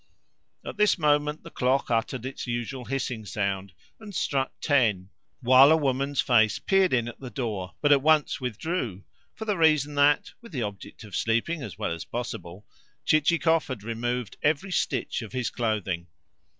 At this moment the clock uttered its usual hissing sound, and struck ten, while a woman's face peered in at the door, but at once withdrew, for the reason that, with the object of sleeping as well as possible, Chichikov had removed every stitch of his clothing.